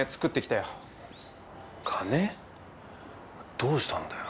どうしたんだよ。